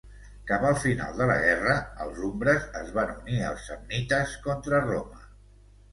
Cap al final de la guerra els umbres es van unir als samnites contra Roma.